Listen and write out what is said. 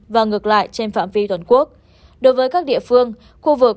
và ngược lại trên phạm vi toàn quốc đối với các địa phương khu vực